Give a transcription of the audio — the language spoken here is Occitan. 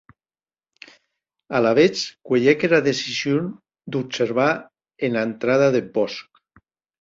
Alavetz cuelhec era decision d’observar ena entrada deth bòsc.